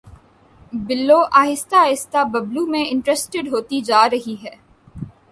بلو آہستہ آہستہ ببلو میں انٹرسٹیڈ ہوتی جا رہی ہے